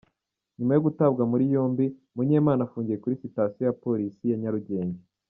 Nyuma yo gutabwa muri yombi, Munyemana afungiye kuri sitasiyo ya Polisi ya Nyarugenge.